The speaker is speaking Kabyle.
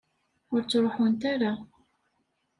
Ur ttruḥunt ara.